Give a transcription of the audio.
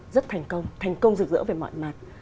rất thành công thành công rực rỡ về mọi mặt